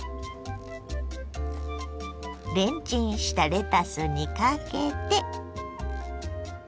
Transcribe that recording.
レンチンしたレタスにかけて。